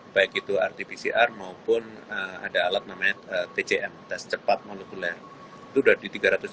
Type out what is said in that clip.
baik itu rt pcr maupun ada alat namanya tcm tes cepat molekuler itu dari tiga ratus tujuh puluh empat